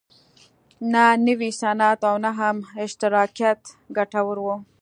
نه نوی صنعت او نه هم اشتراکیت ګټور و.